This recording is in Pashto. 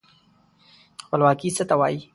خپلواکي څه ته وايي.